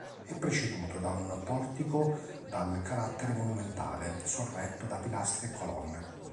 È preceduto da un portico dal carattere monumentale, sorretto da pilastri e colonne.